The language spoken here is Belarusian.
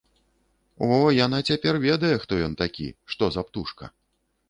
О, яна цяпер ведае, хто ён такі, што за птушка!